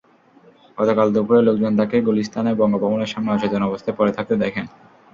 গতকাল দুপুরে লোকজন তাঁকে গুলিস্তানে বঙ্গভবনের সামনে অচেতন অবস্থায় পড়ে থাকতে দেখেন।